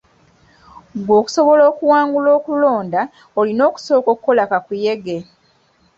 Gwe okusobola okuwangula okulonda olina okusooka okukola kakuyege.